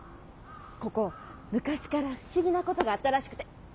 ここ昔から「不思議なこと」があったらしくて。